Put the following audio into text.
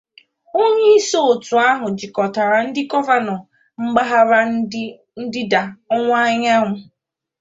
onyeisi otu ahụ jikọtara ndị gọvanọ mpaghara ndịda-ọwụwa anyanwụ